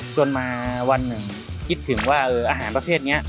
จนมาวันหนึ่งคิดถึงว่าอาหารประเภทนี้